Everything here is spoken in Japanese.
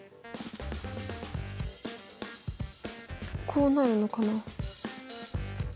こうなるのかな？